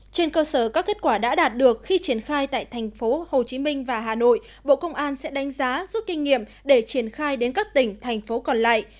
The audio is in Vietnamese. trên cơ sở các kết quả đã đạt được khi triển khai tại thành phố hồ chí minh và hà nội bộ công an sẽ đánh giá giúp kinh nghiệm để triển khai đến các tỉnh thành phố còn lại